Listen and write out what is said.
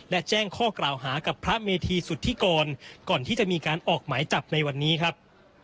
และแจ้งข้อกล่าวหากับพระเมธีสุธิกรก่อนที่จะมีการออกหมายจับในวันนี้ครับ